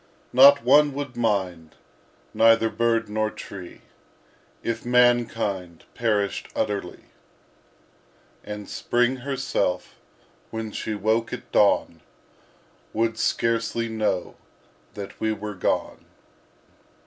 Not one would mind, neither bird nor tree If mankind perished utterly; And Spring herself, when she woke at dawn, Would scarcely know that we were gone.